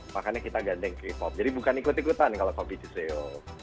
makanya kita gandeng k pop jadi bukan ikut ikutan kalau kopi ciseo